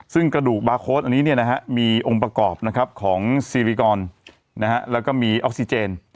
ซึ่งกระดูกบาร์โค้ดอันนี้มีองค์ประกอบของซีริกรแล้วก็มีออกซิเจน